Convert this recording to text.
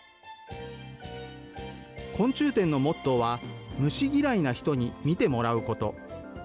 昆虫展のモットーは、虫嫌いな人に見てもらうこと。